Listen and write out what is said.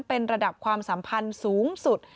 เป็นระดับความสัมพันธ์สูงสุด